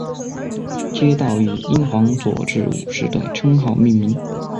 街道以英皇佐治五世的称号命名。